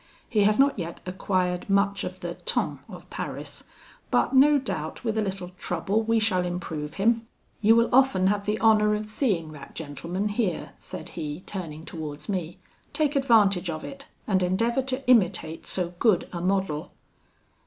He has not yet acquired much of the ton of Paris; but no doubt with a little trouble we shall improve him. You will often have the honour of seeing that gentleman, here,' said he, turning towards me: 'take advantage of it, and endeavour to imitate so good a model.'